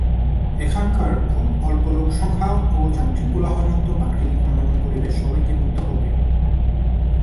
এখানকার খুব অল্প লোকসংখ্যা ও যান্ত্রিক কোলাহল মুক্ত প্রাকৃতিক মনোরম পরিবেশ সবাইকে মুগ্ধ করবে।